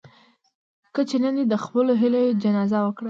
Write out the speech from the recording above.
کچې نن دې د خپلو هيلو جنازه وکړه.